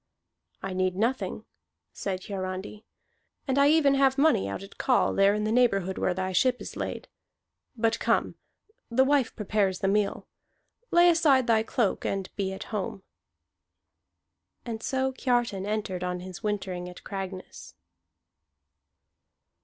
"I need nothing," said Hiarandi, "and I even have money out at call there in the neighborhood where thy ship is laid. But come, the wife prepares the meal. Lay aside thy cloak and be at home." And so Kiartan entered on his wintering at Cragness.